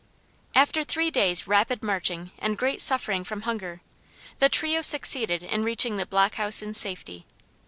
After three days rapid marching and great suffering from hunger, the trio succeeded in reaching the block house in safety.